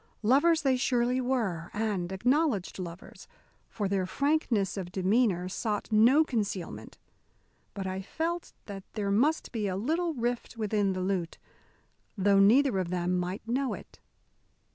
Lovers they surely were, and acknowledged lovers, for their frankness of demeanour sought no concealment; but I felt that there must be A little rift within the lute, though neither of them might know it.